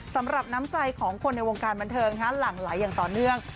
สำหรับน้ำใจของคนในวงการบันเทิงหลั่งไหลอย่างต่อเนื่อง